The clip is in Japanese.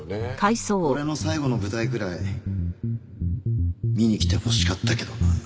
俺の最後の舞台ぐらい見に来てほしかったけどな。